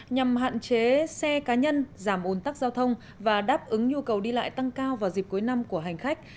nhằm hạn chế xe cá nhân giảm ồn tắc giao thông và đáp ứng nhu cầu đi lại tăng cao vào dịp cuối năm của hành khách